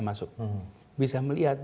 masuk bisa melihat